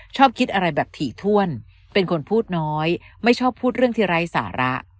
ชอบคิดอะไรแบบถี่ถ้วนเป็นคนพูดน้อยไม่ชอบพูดเรื่องที่ไร้สาระ